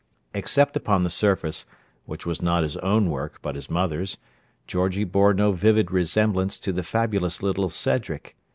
Except upon the surface (which was not his own work, but his mother's) Georgie bore no vivid resemblance to the fabulous little Cedric.